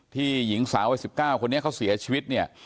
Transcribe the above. หญิงสาววัย๑๙คนนี้เขาเสียชีวิตเนี่ย